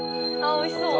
おいしそう！